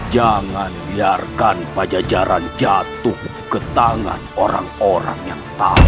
jangan biarkan pajajaran jatuh ke tangan orang orang yang tahu